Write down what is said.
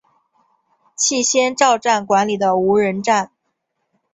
气仙沼站管理的无人站。